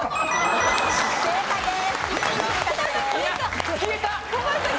正解です。